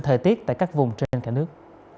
thời tiết tại các vùng trên cả nước